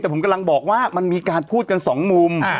แต่ผมกำลังบอกว่ามันมีการพูดกันสองมุม